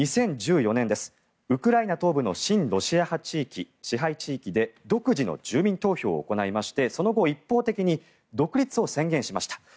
２０１４年、ウクライナ東部の親ロシア派地域、支配地域で独自の住民投票を行いましてその後、一方的に独立を宣言しました。